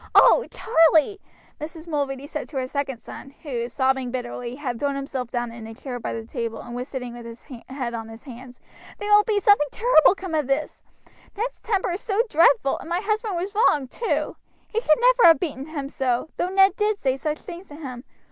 "Oh! Charlie," Mrs. Mulready said to her second son, who, sobbing bitterly, had thrown himself down in a chair by the table, and was sitting with his head on his hands, "there will be something terrible come of this! Ned's temper is so dreadful, and my husband was wrong, too. He should never have beaten him so, though Ned did say such things to him.